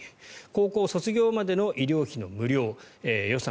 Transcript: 高校卒業までの医療費の無料予算